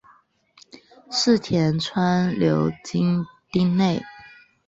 柿田川流经町内。